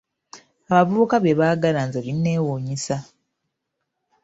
Abavubuka bye baagala nze binneewuunyisa.